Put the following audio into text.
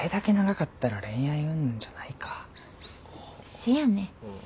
せやねん。